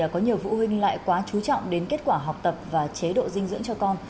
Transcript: có nhiều phụ huynh lại quá chú trọng đến kết quả học tập và chế độ dinh dưỡng cho con